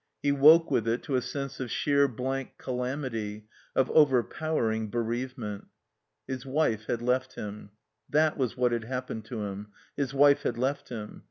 He woke with it to a sense of sheer blank calamity, of overpowering bereavement. His wife had left him. That was what had hap pened to him. His wife had left him.